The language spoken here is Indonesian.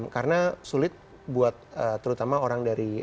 karena sulit buat terutama orang dari eropa